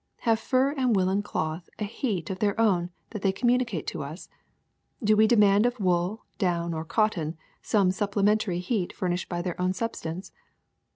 Have fur and woolen cloth a heat of their own that they communicate to us? Do we demand of wool, down, or cotton some supplementary heat furnished by their own substance?